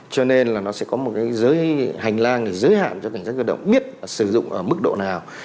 cho nên là nó sẽ có một hành lang giới hạn cho cảnh sát cơ động biết sử dụng ở mức độ nào